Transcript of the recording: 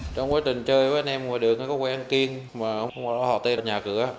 trong quá trình chơi với anh em ngoài đường nó có quen kiên mà không có hỏi tên nhà cửa